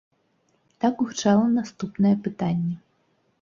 Так гучала наступнае пытанне.